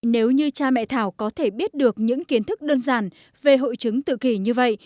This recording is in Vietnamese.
nếu như cha mẹ thảo có thể biết được những kiến thức đơn giản về hội chứng tự kỷ như vậy